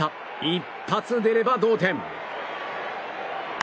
一発出れば同点。